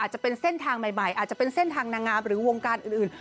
จะเป็นเส้นทางใหม่อาจจะเป็นเส้นทางนางงามหรือวงการอื่น